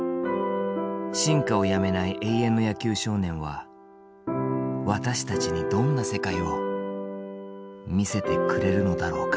進化をやめない永遠の野球少年は私たちにどんな世界を見せてくれるのだろうか。